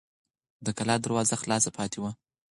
د کلا دروازه خلاصه پاتې وه.